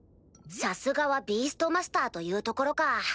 さすがはビーストマスターというところか。